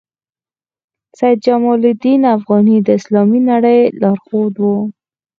سید جمال الدین افغاني د اسلامي نړۍ لارښود وو.